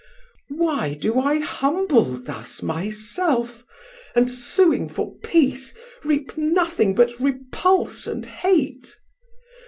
Why do I humble thus my self, and suing For peace, reap nothing but repulse and hate?